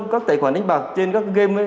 các tài khoản đánh bạc trên các game